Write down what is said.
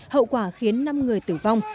hậu quả khiến năm người tử vong